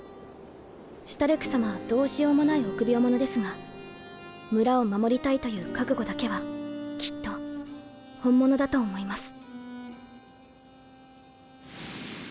シュタルク様はどうしようもない臆病者ですが村を守りたいという覚悟だけはきっと本物だと思います。